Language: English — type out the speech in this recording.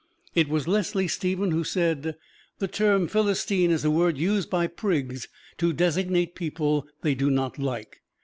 It was Leslie Stephen who said, "The term Philistine is a word used by prigs to designate people they do not like."